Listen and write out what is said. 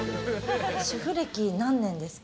主婦歴何年ですか？